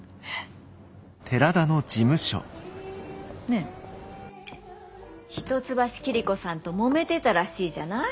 ねえ一橋桐子さんともめてたらしいじゃない。